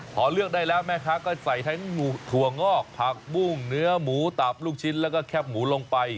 พอเลือกได้แล้วแม่ค้าก็ใส่ทั้งถั่วงอกผักบุ้งเนื้อหมูตับลูกชิ้นแล้วก็แคบหมูลงไป